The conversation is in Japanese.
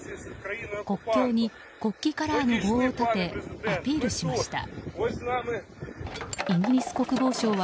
国境に、国旗カラーの棒を立てアピールしました。